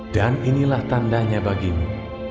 dan inilah tandanya bagimu